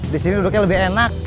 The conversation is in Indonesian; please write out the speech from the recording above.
di sini duduknya lebih enak